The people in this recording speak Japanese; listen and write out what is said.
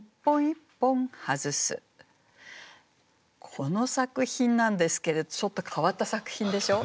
この作品なんですけどちょっと変わった作品でしょう？